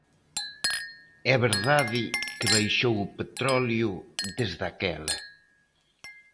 É verdade que baixou o petróleo desde aquela.